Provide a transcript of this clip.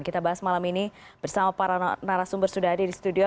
kita bahas malam ini bersama para narasumber sudah ada di studio